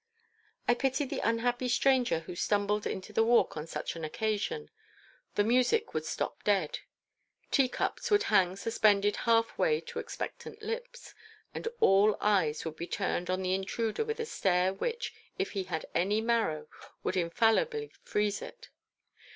I pity the unhappy stranger who stumbled into the Walk on such an occasion. The music would stop dead. Teacups would hang suspended half way to expectant lips, and all eyes would be turned on the intruder with a stare which, if he had any marrow, would infallibly freeze it.